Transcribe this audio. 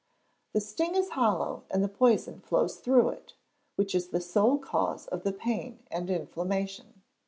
The sting is hollow, and the poison flows through it, which is the sole cause of the pain and inflammation.